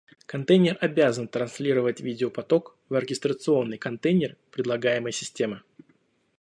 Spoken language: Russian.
Контейнер обязан транслировать видеопоток в оркестрационный контейнер предлагаемой системы